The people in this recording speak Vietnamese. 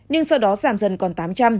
nhưng sau đó giảm dần còn tám trăm linh